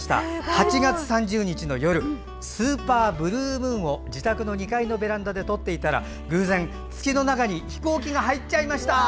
８月３０日の夜スーパーブルームーンを自宅の２階のベランダで撮っていたら偶然、月の中に飛行機が入っちゃいました。